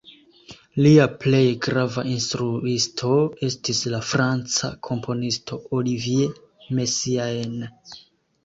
Lia plej grava instruisto estis la franca komponisto Olivier Messiaen.